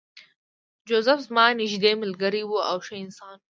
جوزف زما نږدې ملګری و او ښه انسان و